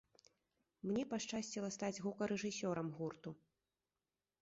Мне пашчасціла стаць гукарэжысёрам гурту.